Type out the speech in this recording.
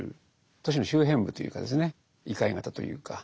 都市の周辺部というか異界型というか。